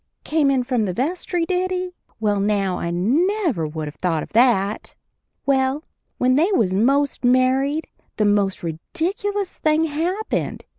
Came in from the vestry, did he? Well, now, I never would have thought of that! Well, when they was most married the most ridiculous thing happened.